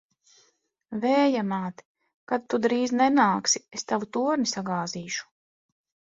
Vēja māt! Kad tu drīzi nenāksi, es tavu torni sagāzīšu!